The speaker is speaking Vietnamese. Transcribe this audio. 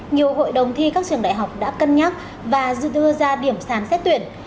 nhiều hội đồng thi các trường đại học đã cân nhắc và dự đưa ra điểm sán xét tuyển